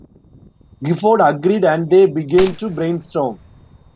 Gifford agreed and they began to brainstorm.